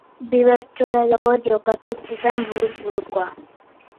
Bi betsolari hauek jokatu zuten buruz-burukoa.